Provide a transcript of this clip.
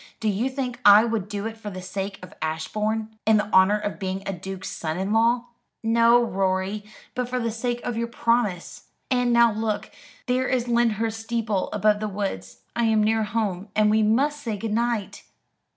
Do you think I would do it for the sake of Ashbourne, and the honour of being a duke's son in law?" "No, Rorie, but for the sake of your promise. And now look, there is Lyndhurst steeple above the woods. I am near home, and we must say good night."